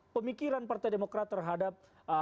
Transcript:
pemikiran partai demokrat terhadap